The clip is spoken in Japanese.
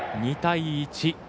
２対１。